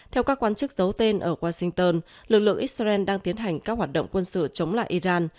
theo các quan chức giấu tên ở washington lực lượng israel đang tiến hành các hoạt động quân sự chống lại iran